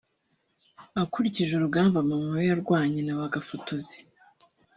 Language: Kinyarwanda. akurikije urugamba mama we yarwanye na ba gafotozi